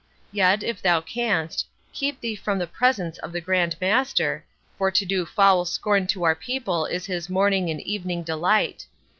Yet, if thou canst, keep thee from the presence of the Grand Master, for to do foul scorn to our people is his morning and evening delight.